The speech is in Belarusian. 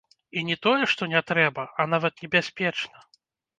І не тое што не трэба, а нават небяспечна.